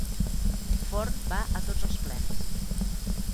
Forn va a tots els plens